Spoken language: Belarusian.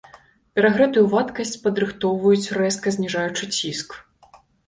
Перагрэтую вадкасць падрыхтоўваюць рэзка зніжаючы ціск.